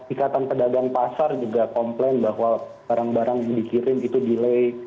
ikatan pedagang pasar juga komplain bahwa barang barang yang dikirim itu delay